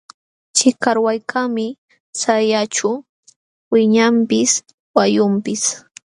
Chikarwaykaqmi sallqaćhu wiñanpis wayunpis.